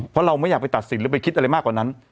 เพราะเราไม่อยากไปตัดสินหรือไปคิดอะไรมากกว่านั้น